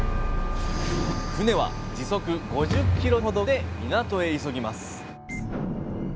船は時速５０ｋｍほどで港へ急ぎます